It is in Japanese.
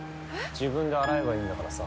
自分で洗えばいいんだからさ。